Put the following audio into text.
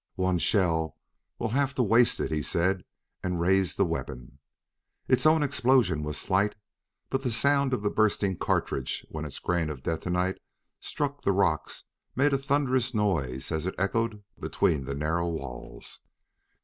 "One shell! We'll have to waste it!" he said, and raised the weapon. Its own explosion was slight, but the sound of the bursting cartridge when its grain of detonite struck the rocks made a thunderous noise as it echoed between the narrow walls.